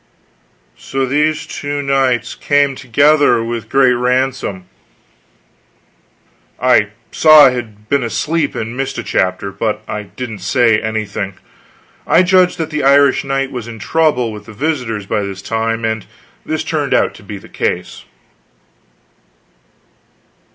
.... "So these two knights came together with great random " I saw that I had been asleep and missed a chapter, but I didn't say anything. I judged that the Irish knight was in trouble with the visitors by this time, and this turned out to be the case.